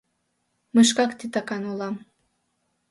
— Мый шкак титакан улам...